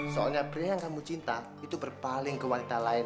soalnya pria yang kamu cinta itu berpaling ke wanita lain